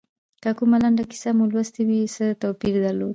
که کومه لنډه کیسه مو لوستي وي څه توپیر درلود.